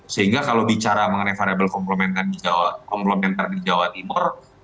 sehingga kalau bicara mengenai variable komplementer di jawa timur